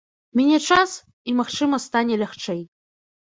Міне час і, магчыма, стане лягчэй.